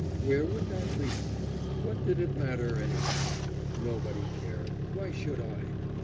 Where would that lead? What did it matter, anyhow? Nobody cared. Why should I?